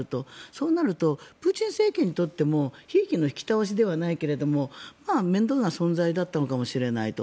そうなるとプーチン政権にとってもひいきの引き倒しじゃないけど面倒な存在だったのかもしれないと。